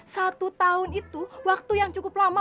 satu tahun itu waktu yang cukup lama